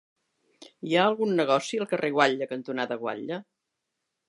Hi ha algun negoci al carrer Guatlla cantonada Guatlla?